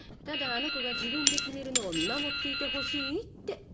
ただあの子が自分で決めるのを見守っていてほしいって。